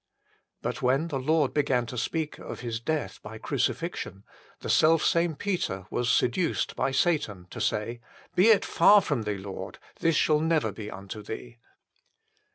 But when the Lord began to speak of His death by crucifixion, the self same Peter was seduced by Satan to say :" Be it far from Thee, Lord : this shall never be unto Thee."